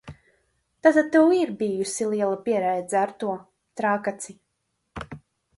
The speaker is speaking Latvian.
Tātad tev ir bijusi liela pieredze ar to, Trakaci?